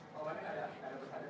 kalau ada yang enggak ada